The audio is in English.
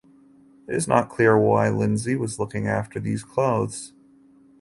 It is not clear why Lindsay was looking after these clothes.